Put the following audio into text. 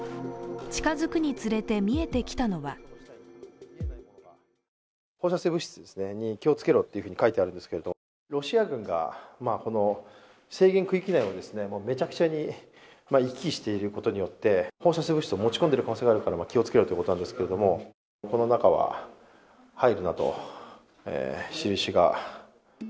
近づくにつれて見えてきたのは放射性物質に気をつけろと書いてあるんですけれども、ロシア軍が制限区域内をめちゃくちゃに行き来していることによって放射性物質を持ち込んでいる可能性があるから気をつけろということなんですけれども、この中は入るなと印が。